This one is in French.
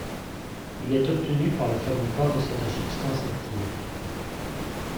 Il est obtenu par le fabricant de cette substance active.